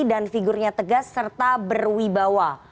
dan figurnya tegas serta berwibawa